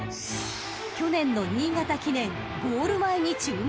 ［去年の新潟記念ゴール前に注目］